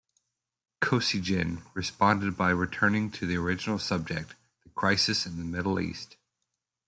Kosygin responded by returning to the original subject; the crisis in the Middle East.